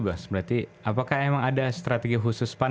apakah memang ada strategi khusus pan